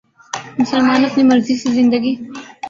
مسلمان اپنی مرضی سے زندگی